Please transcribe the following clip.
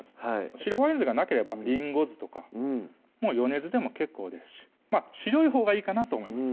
白ワイン酢がなければりんご酢とか米酢でも結構ですし白いほうがいいかなと思います